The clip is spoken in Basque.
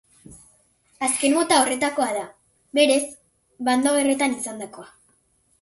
Azken mota horretakoa da, berez, bando gerretan izandakoa.